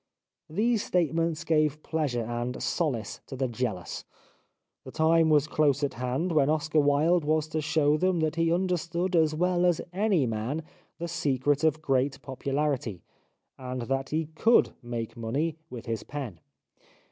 These statements gave pleasure and solace to the jealous. The time was close at hand when Oscar Wilde was to show them that he under stood as well as any man the secret of great popularity, and that he could make money with his pen.